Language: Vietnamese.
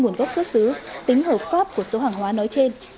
nguồn gốc xuất xứ tính hợp pháp của số hàng hóa nói trên